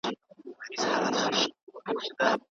لوستې نجونې اړيکې پياوړې کوي.